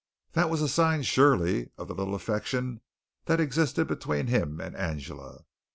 That was a sign surely of the little affection that existed between him and Angela.